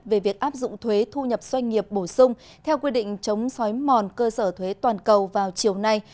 về việc áp dụng thuế thu nhập doanh nghiệp bổ sung theo quy định chống xói mòn cơ sở thuế toàn cầu vào chiều nay